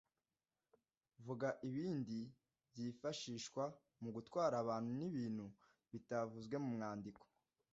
Vuga ibindi byifashishwa mu gutwara abantu n’ibintu bitavuzwe mu mwandiko